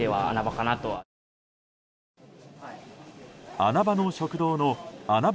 穴場の食堂の穴場